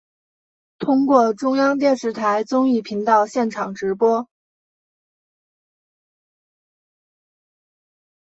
通过中央电视台综艺频道现场直播。